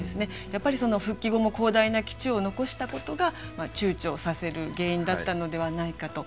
やっぱり復帰後も広大な基地を残したことがちゅうちょさせる原因だったのではないかと。